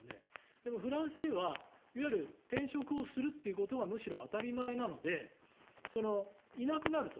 でも、フランスではいわゆる転職をするということがむしろ当たり前なのでいなくなると。